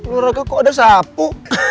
lu raga kok ada sapu